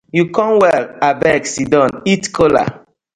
Yu com well, abeg siddon eat kola.